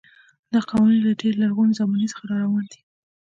دا قوانین له ډېرې لرغونې زمانې څخه راروان دي.